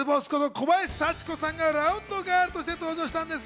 小林幸子さんがラウンドガールとして登場したんです。